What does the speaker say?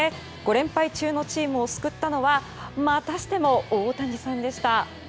５連敗中のチームを救ったのはまたしても大谷さんでした。